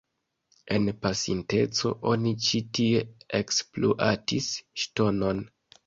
En pasinteco oni ĉi tie ekspluatis ŝtonon.